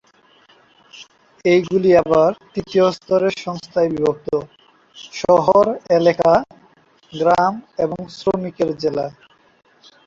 এইগুলি আবার তৃতীয় স্তরের সংস্থায় বিভক্ত: শহর, এলাকা, গ্রাম এবং শ্রমিকের জেলা।